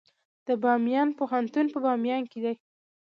د بامیان پوهنتون په بامیان کې دی